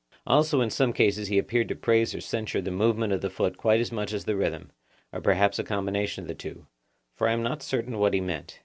Also in some cases he appeared to praise or censure the movement of the foot quite as much as the rhythm; or perhaps a combination of the two; for I am not certain what he meant.